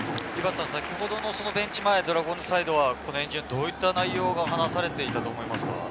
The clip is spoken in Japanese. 先ほどのベンチ前、ドラゴンズサイドは円陣、どういった内容が話されていたと思いますか？